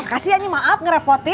makasih ya nih maaf ngerepotin